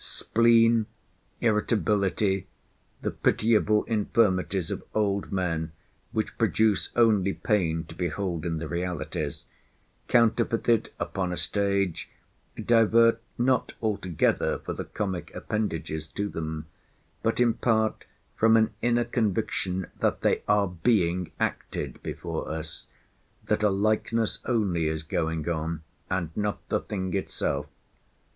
Spleen, irritability—the pitiable infirmities of old men, which produce only pain to behold in the realities, counterfeited upon a stage, divert not altogether for the comic appendages to them, but in part from an inner conviction that they are being acted before us; that a likeness only is going on, and not the thing itself.